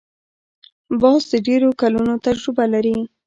باز د ډېرو کلونو تجربه لري